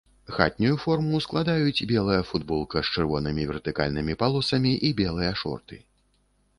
Хатнюю форму складаюць белая футболка з чырвонымі вертыкальнымі палосамі і белыя шорты.